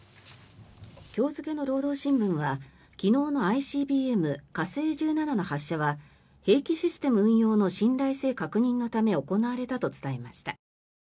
今日付の労働新聞は昨日のＩＣＢＭ火星１７の発射は兵器システム運用の信頼性確認のため行われたと伝えました。